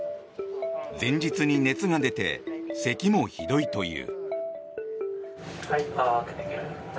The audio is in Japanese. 前日に熱が出てせきもひどいという。